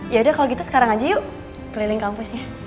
yaudah kalau gitu sekarang aja yuk keliling kampusnya